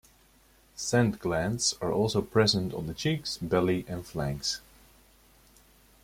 Scent glands are also present on the cheeks, belly and flanks.